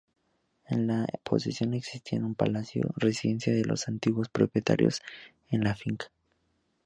En la posesión existían un palacio, residencia de los antiguos propietarios de la finca.